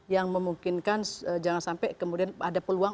yang memungkinkan jangan sampai kemudian ada peluang